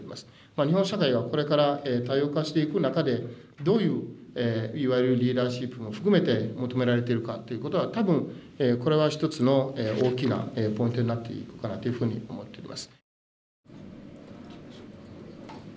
日本社会はこれから多様化していく中でどういういわゆるリーダーシップも含めて求められてるかっていうことは多分これは一つの大きなポイントになっていくかなというふうに思っています。